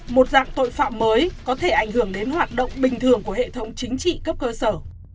một dạng tội phạm mới có thể ảnh hưởng đến hoạt động bình thường của hệ thống chính trị cấp cơ sở